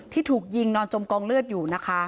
ที่ถูกยิงนอนจมกองเลือดอยู่นะคะ